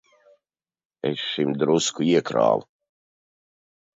Es šim drusku iekrāvu.